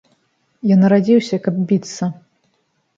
Я нарадзіўся, каб біцца.